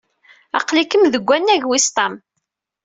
Aql-ikem deg wannag wis ṭam.